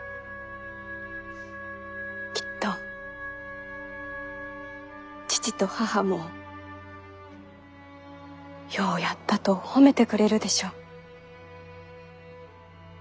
きっと父と母もようやったと褒めてくれるでしょう。